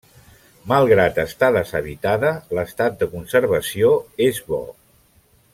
Malgrat estar deshabitada, l'estat de conservació és bo.